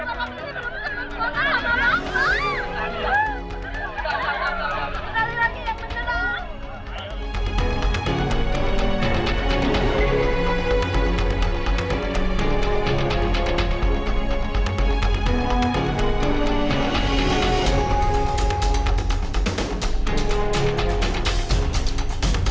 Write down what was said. teman teman masyarakat eru mengembangkan suara gen baht